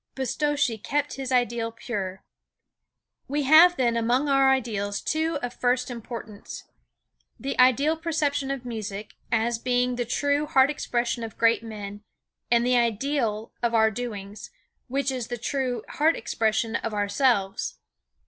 Pistocchi kept his ideal pure. We have then among our ideals two of first importance. The ideal perception of music, as being the true heart expression of great men; and the ideal of our doings, which is the true heart expression of ourselves.